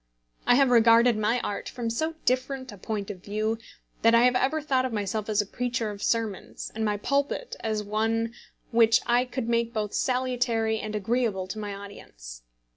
I have regarded my art from so different a point of view that I have ever thought of myself as a preacher of sermons, and my pulpit as one which I could make both salutary and agreeable to my audience.